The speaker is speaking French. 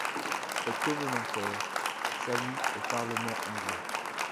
Les covenantaires s'allient au Parlement anglais.